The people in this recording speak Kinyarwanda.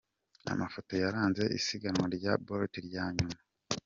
Amafoto yaranze isiganwa rya Bolt rya nyuma:.